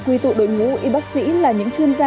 quy tụ đội ngũ y bác sĩ là những chuyên gia